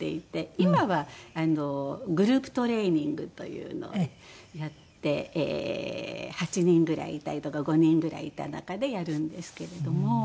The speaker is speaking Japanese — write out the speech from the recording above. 今はグループトレーニングというのをやって８人ぐらいいたりとか５人ぐらいいた中でやるんですけれども。